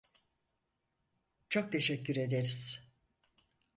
Çok teşekkür ederiz.